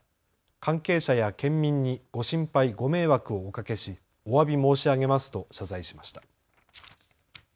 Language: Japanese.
関係者や県民にご心配、ご迷惑をおかけし、おわび申し上げますと謝罪しました。